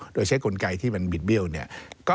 โดยใช้กลไกรที่เป็นบิดเบี้ยวก็